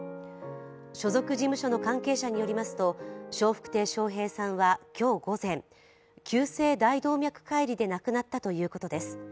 所属事務所の関係者によりますと、笑福亭鶴瓶さんは今日午前、急性大動脈解離で亡くなったということです。